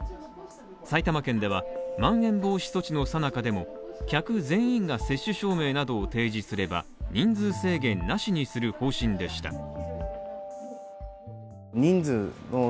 埼玉県ではまん延防止措置の最中でも、客全員が接種証明などを提示すれば、人数制限なしにする方針でした。